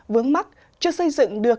vướng mắt chưa xây dựng được